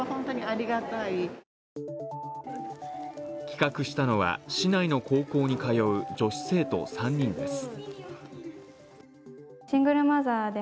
企画したのは市内の高校に通う女子生徒３人です。